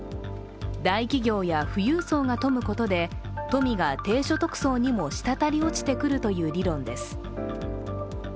大企業や富裕層が富むことで富みが低所得層にも落ちてくるという理論です。